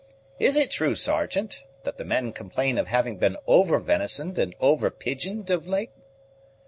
Is it true, Sergeant, that the men complain of having been over venisoned and over pigeoned of late?"